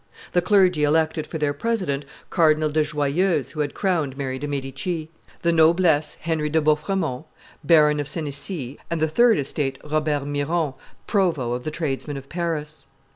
The clergy elected for their president Cardinal de Joyeuse who had crowned Mary de' Medici; the noblesse Henry de Bauffremont, Baron of Senecey, and the third estate Robert Miron, provost of the tradesmen of Paris.